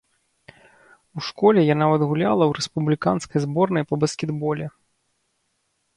У школе я нават гуляла ў рэспубліканскай зборнай па баскетболе.